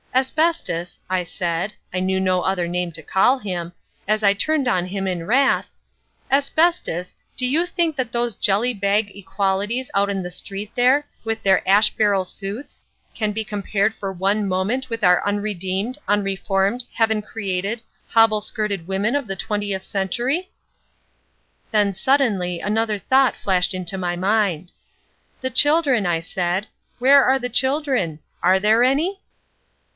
"Asbestos," I said (I knew no other name to call him), as I turned on him in wrath, "Asbestos, do you think that those jelly bag Equalities out on the street there, with their ash barrel suits, can be compared for one moment with our unredeemed, unreformed, heaven created, hobble skirted women of the twentieth century?" Then, suddenly, another thought flashed into my mind— "The children," I said, "where are the children? Are there any?"